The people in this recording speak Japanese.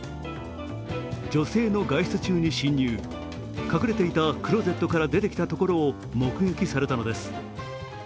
女性の外出中に侵入隠れていたクロゼットから出てきたところを目撃されたのです。